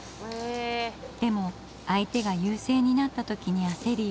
でも相手が優勢になった時に焦り